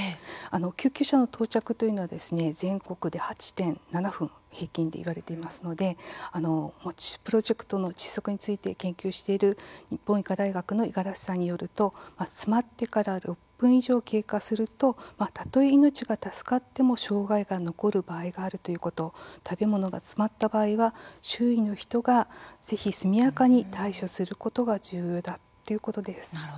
救急車の到着は全国で８．７分平均でいわれていますのでＭＯＣＨＩプロジェクトの窒息について研究している日本医科大学の五十嵐さんによると詰まってから６分以上経過するとたとえ命が助かっても障害が残る場合があるということ食べ物が詰まった場合は周囲の人がぜひ速やかに対処することが重要だということです。